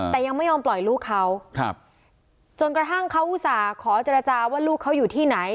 แต่ยังไม่ยอมปล่อยลูกเขาจนกระทั่งเขาอุตส่าห์ขอเจรจาว่าลูกเขาอยู่ที่ไหน